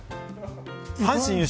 阪神、優勝